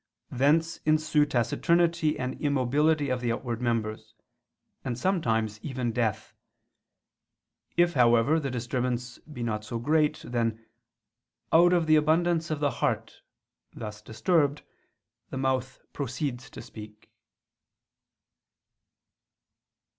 Thence ensue taciturnity and immobility of the outward members; and sometimes even death. If, however, the disturbance be not so great, then "out of the abundance of the heart" thus disturbed, the mouth proceeds to speak.